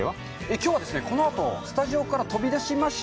きょうは、このあと、スタジオから飛び出しまして。